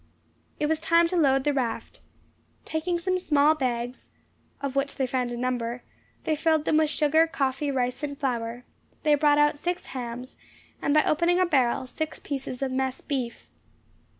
It was time to load the raft. Taking some small bags, of which they found a number, they filled them with sugar, coffee, rice, and flour; they brought out six hams, and, by opening a barrel, six pieces of mess beef.